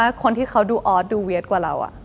ถ้าคนที่เขาดูออสดูเวียดกว่าเรา